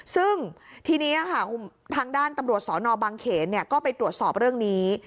ซึ่งทีนี้ทางด้านตำรวจสนบางเขนก็ไปตรวจสอบเรื่องนี้